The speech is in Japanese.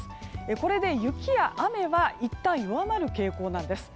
これで雪や雨はいったん弱まる傾向なんです。